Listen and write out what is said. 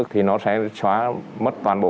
thì nó sẽ xóa mất toàn bộ